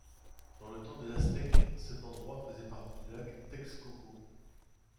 Dans le temps des Aztèques, cet endroit faisait partie du lac Texcoco.